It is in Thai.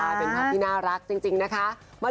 เป็นภาพที่น่ารักจริงนะคะ